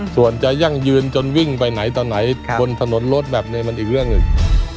ส่วนจะยั่งยืนจนวิ่งไปไหนต่อไหนบนถนนรถแบบนี้มันอีกเรื่องหนึ่ง